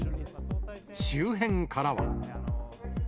周辺からは。